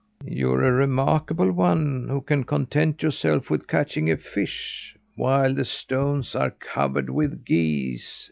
"You're a remarkable one, who can content yourself with catching a fish, while the stones are covered with geese!"